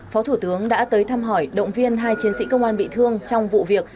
phó thủ tướng đã tới thăm hỏi động viên hai chiến sĩ công an bị thương trong vụ việc